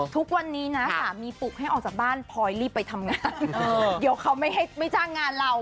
ทุกวันนี้นะสามีปลุกให้ออกจากบ้านพลอยรีบไปทำงานเดี๋ยวเขาไม่ให้ไม่จ้างงานเรา